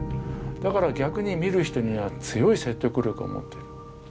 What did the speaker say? だから逆に見る人には強い説得力を持っている。